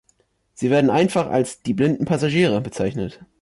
Sie werden einfach als „die blinden Passagiere“ bezeichnet.